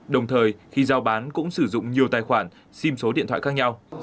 đồng thời khi giao bán cũng sử dụng nhiều tài khoản sim số điện thoại khác nhau